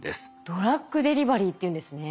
ドラッグデリバリーっていうんですね。